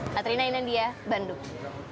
katrina inandia bandung